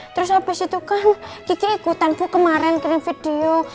terus abis itu kan kiki ikutan kemarin kirim video